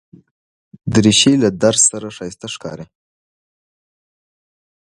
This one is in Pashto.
دریشي له درز سره ښایسته ښکاري.